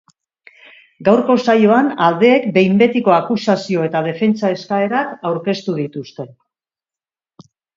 Gaurko saioan, aldeek behin betiko akusazio eta defentsa eskaerak aurkeztu dituzte.